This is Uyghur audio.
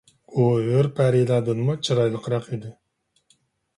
ئۇ ھۆر پەرىلەردىنمۇ چىرايلىقراق ئىدى.